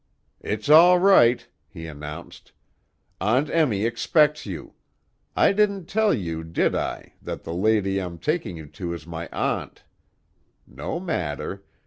"It's all right," he announced. "Aunt Emmy expects you; I didn't tell you, did I, that the lady I'm taking you to is my aunt? No matter.